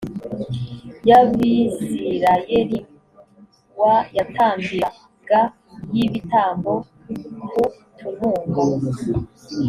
y abisirayeli w yatambiraga y ibitambo ku tununga